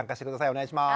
お願いします。